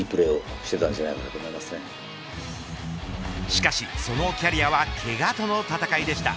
しかし、そのキャリアはけがとの戦いでした。